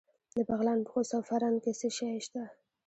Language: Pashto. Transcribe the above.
د بغلان په خوست او فرنګ کې څه شی شته؟